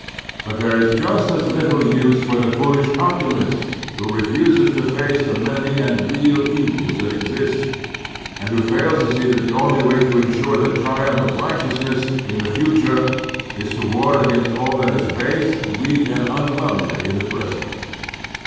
But there is just as little use for the f ooUsh optimist who refuses to face the many and real evils that exist, and who fails to see that the only way to instu^ the tritimph of righteousness in the futtu^ is to war against all that is base, weak, and tmlovely in the present.